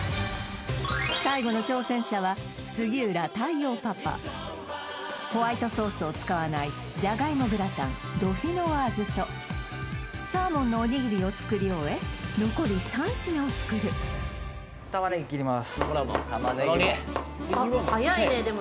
最後の挑戦者は杉浦太陽パパホワイトソースを使わないジャガイモグラタンドフィノワーズとサーモンのおにぎりを作り終え残り３品を作るタマネギ切りますあっ